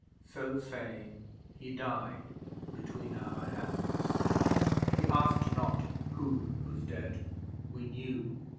So saying, he died between our hands. 'We asked not who was dead. We knew!